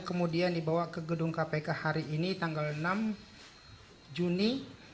kemudian dibawa ke gedung kpk hari ini tanggal enam juni